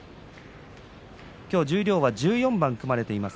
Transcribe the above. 十両は１４番組まれています。